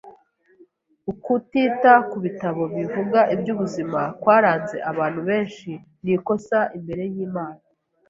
Ukutita ku bitabo bivuga iby’ubuzima kwaranze abantu benshi ni ikosa imbere y’Imana.